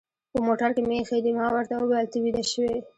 په موټر کې مې اېښي دي، ما ورته وویل: ته ویده شوې؟